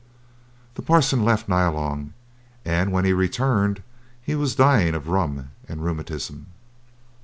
The Parson left Nyalong, and when he returned he was dying of rum and rheumatism.